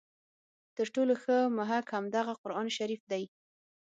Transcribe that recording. تر ټولو ښه محک همدغه قرآن شریف دی.